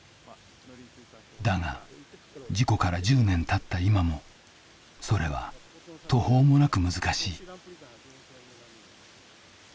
だが事故から１０年たった今もそれは途方もなく難しい。